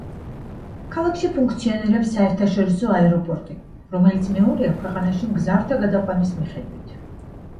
ქალაქში ფუნქციონირებს საერთაშორისო აეროპორტი, რომელიც მეორეა ქვეყანაში მგზავრთა გადაყვანის მიხედვით.